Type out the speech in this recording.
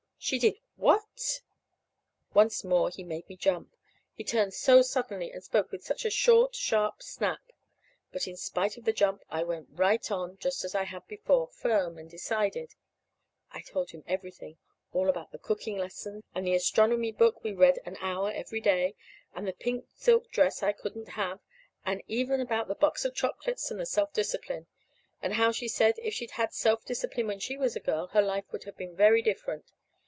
"She did what?" Once more he made me jump, he turned so suddenly, and spoke with such a short, sharp snap. But in spite of the jump I went right on, just as I had before, firm and decided. I told him everything all about the cooking lessons, and the astronomy book we read an hour every day, and the pink silk dress I couldn't have, and even about the box of chocolates and the self discipline. And how she said if she'd had self discipline when she was a girl, her life would have been very different.